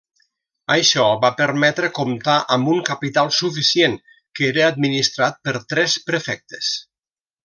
Això va permetre comptar amb un capital suficient, que era administrat per tres prefectes.